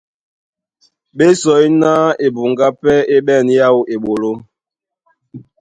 Ɓé sɔí ná ebuŋgá pɛ́ é ɓɛ̂n yáō eɓoló.